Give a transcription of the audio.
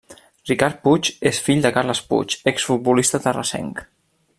Ricard Puig és fill de Carles Puig, exfutbolista terrassenc.